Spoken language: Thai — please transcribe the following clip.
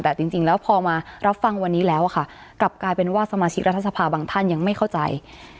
แต่จริงแล้วพอมารับฟังวันนี้แล้วค่ะกลับกลายเป็นว่าสมาชิกรัฐสภาบางท่านยังไม่เข้าใจ